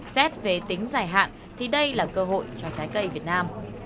xét về tính dài hạn thì đây là cơ hội cho trái cây việt nam